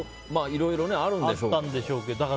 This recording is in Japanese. いろいろあったんでしょうけど。